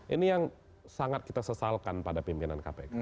ini yang sangat kita sesalkan pada pimpinan kpk